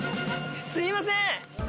すみません。